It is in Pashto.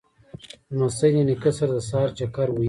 لمسی له نیکه سره د سهار چکر وهي.